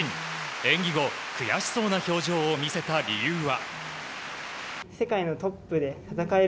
演技後、悔しそうな表情を見せた理由は。